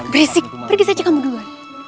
bersih pergi saja kamu dua